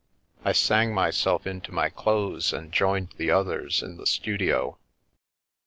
I sang myself into my clothes and joined the others in the studio.